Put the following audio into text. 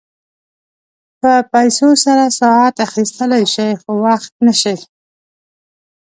په پیسو سره ساعت اخيستلی شې خو وخت نه شې.